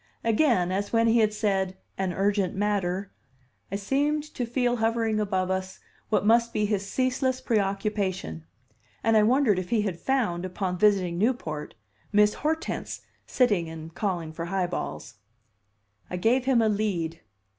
Again, as when he had said "an urgent matter," I seemed to feel hovering above us what must be his ceaseless preoccupation; and I wondered if he had found, upon visiting Newport, Miss Hortense sitting and calling for "high balls." I gave him a lead.